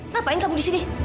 ngapain kamu di sini